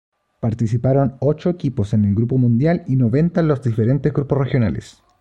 Participaron ocho equipos en el Grupo Mundial y noventa en los diferentes grupos regionales.